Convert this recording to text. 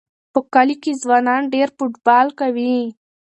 په کلي کې ځوانان ډېر فوټبال کوي.